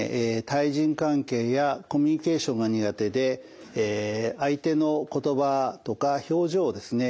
対人関係やコミュニケーションが苦手で相手の言葉とか表情をですね